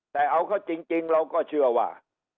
แต่เอาเขาจริงเราก็เชื่อว่า